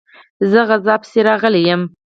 زه غزا پسي راغلی یم.